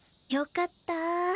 よかった。